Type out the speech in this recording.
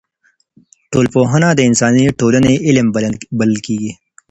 ټولنپوهنه د انساني ټولني علم بلل کیږي.